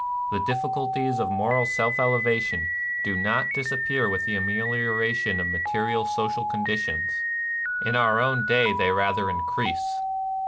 The diffi culties of moral self elevation do not disappear with the amelioration of material social con ditions ;— in our own day they rather in crease.